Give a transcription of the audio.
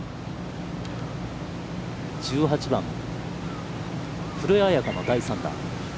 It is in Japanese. １８番、古江彩佳の第３打。